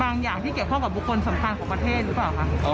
อย่างที่เกี่ยวข้องกับบุคคลสำคัญของประเทศหรือเปล่าคะ